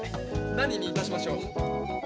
何にいたしましょう。